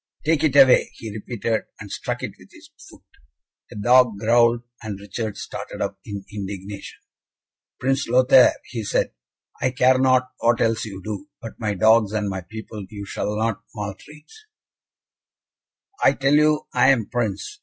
"Take it away," he repeated, and struck it with his foot. The dog growled, and Richard started up in indignation. "Prince Lothaire," he said, "I care not what else you do, but my dogs and my people you shall not maltreat." "I tell you I am Prince!